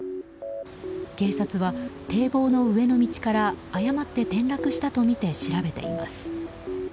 警察は、堤防の上の道から誤って転落したとみて調べています。